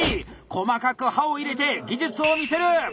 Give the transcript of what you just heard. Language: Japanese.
細かく刃を入れて技術を見せる！